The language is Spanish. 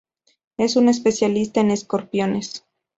Es un especialista en escorpiones.